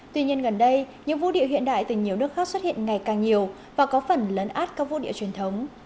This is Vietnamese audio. tuy nhiên gần đây những vũ điệu hiện đại từ nhiều nước khác xuất hiện ngày càng nhiều và có phần lấn át các vũ điệu truyền thống